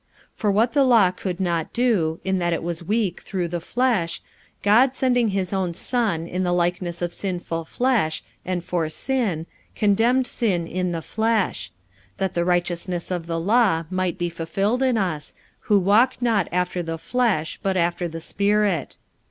45:008:003 For what the law could not do, in that it was weak through the flesh, God sending his own Son in the likeness of sinful flesh, and for sin, condemned sin in the flesh: 45:008:004 That the righteousness of the law might be fulfilled in us, who walk not after the flesh, but after the Spirit.